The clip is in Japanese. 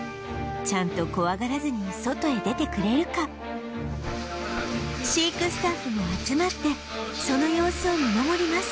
ちゃんと怖がらずに外へ出てくれるか飼育スタッフも集まってその様子を見守ります